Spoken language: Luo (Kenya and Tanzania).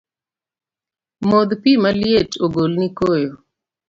Modh pi maliet ogolni koyo